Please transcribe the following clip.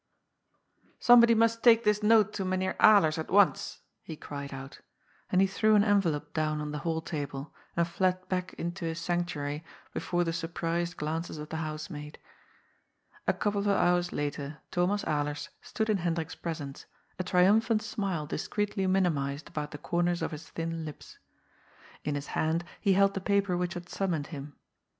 " Somebody must take this note to Mynheer Alers at once," he cried out. And he threw an envelope down on the hall table, and fled back into his sanctuary before the surprised glances of the housemaid. A couple of hours later Thomas Alers stood in Hen drik's presence, a triumphant smile discreetly minimised about the corners of his thin lips. In his hand he held the paper which had summoned him.